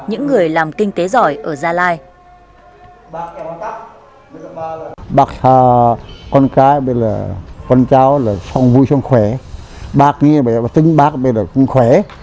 của ông ra lan lech